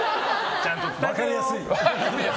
分かりやすい。